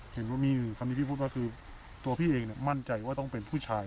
เห็นว่ามีคำนี้พี่พูดมาคือตัวพี่เองมั่นใจว่าต้องเป็นผู้ชาย